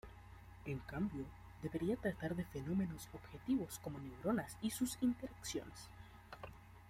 En cambio, debería tratar de fenómenos objetivos como neuronas y sus interacciones.